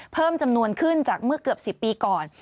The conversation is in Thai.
เพิ่มจำนวนขึ้นจากเมื่อเกือบ๑๐ปีก่อน